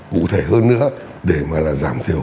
cụ thể hơn nữa để mà giảm thiểu